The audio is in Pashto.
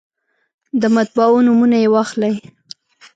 د مطبعو نومونه یې واخلئ.